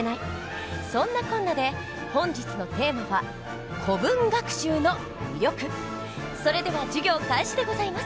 そんなこんなで本日のテーマはそれでは授業開始でございます。